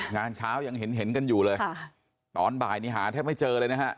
งานเช้ายังเห็นเห็นกันอยู่เลยค่ะตอนบ่ายนี้หาแทบไม่เจอเลยนะฮะ